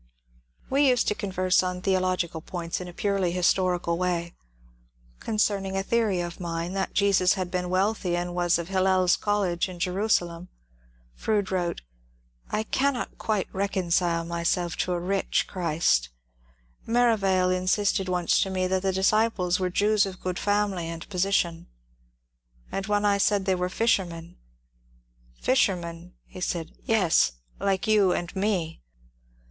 We used to converse on theological points in a purely his torical way. Concerning a theory of mine, that Jesus had been wealthy and was of Hillel's College in Jerusalem, Froude wrote :^^ I cannot quite reconcile myself to a rich Christ Merivale insisted once to me that the disciples were Jews of good family and position ; and when I said they were fisher men —^ Fishermen,' he said, ^ yes, like you and me.